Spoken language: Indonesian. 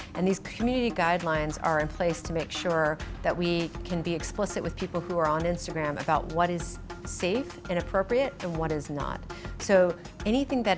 dan pengaturan komunitas ini diberikan untuk memastikan kita bisa terbuka dengan orang orang yang ada di instagram tentang apa yang aman tidak sesuai dan apa yang tidak